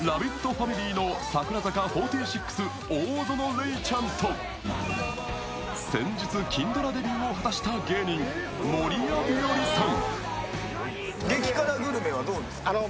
ファミリーの櫻坂４６大園玲ちゃんと先日、金ドラデビューを果たした守谷日和さん。